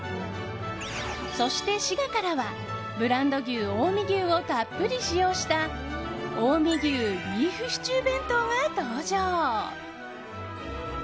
そして、滋賀からはブランド牛近江牛をたっぷり使用した近江牛ビーフシチュー弁当が登場。